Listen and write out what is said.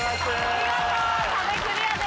見事壁クリアです。